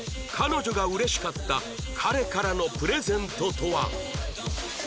彼女が嬉しかった彼からのプレゼントとは？